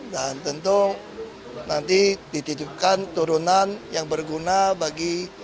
dan tentu nanti dititipkan turunan yang berguna bagi